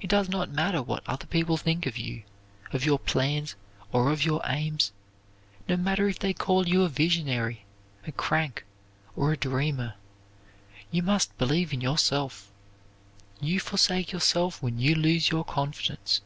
It does not matter what other people think of you, of your plans, or of your aims. No matter if they call you a visionary, a crank, or a dreamer; you must believe in yourself. You forsake yourself when you lose your confidence.